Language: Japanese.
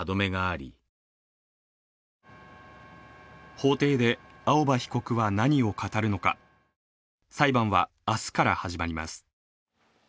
法廷で青葉被告は何を語るのか、裁判は明日から始まります。